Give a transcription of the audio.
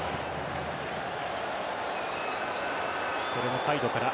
これもサイドから。